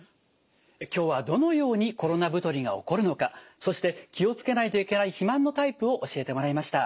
今日はどのようにコロナ太りが起こるのかそして気を付けないといけない肥満のタイプを教えてもらいました。